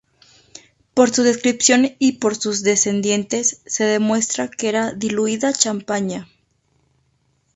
Por su descripción y por sus descendientes se demuestra que era diluida champagne.